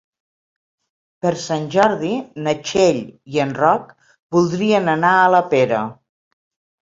Per Sant Jordi na Txell i en Roc voldrien anar a la Pera.